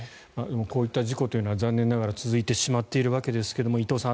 こういった事故というのは残念ながら続いてしまっているわけですが伊藤さん